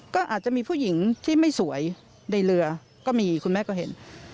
ก็อาจจะมีผู้หญิงที่ไม่สวยในเรือก็มีคุณแม่ก็เห็น